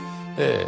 ええ。